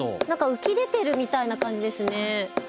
何か浮き出てるみたいな感じですね。